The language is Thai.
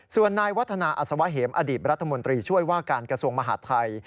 ส่วนนายวัฒนาอัศวะเหมอดีตรัฐมนตรีช่วยว่าการกระทรวงมหาดไทย